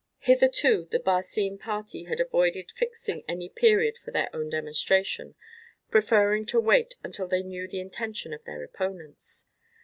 Hitherto the Barcine party had avoided fixing any period for their own demonstration, preferring to wait until they knew the intention of their opponents.